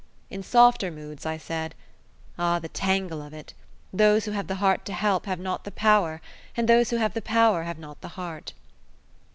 In softer moods I said, "Ah, the tangle of it! Those who have the heart to help have not the power, and those who have the power have not the heart."